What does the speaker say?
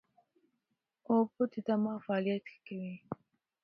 اوبه د دماغ فعالیت ښه کوي